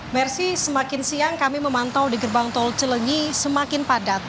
mersi semakin siang kami memantau di gerbang tol cilenyi semakin padat